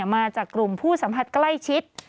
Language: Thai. มาจากกลุ่มผู้สัมผัสใกล้ชิด